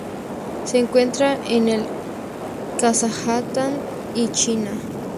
Se encuentra en el Kazajistán y China.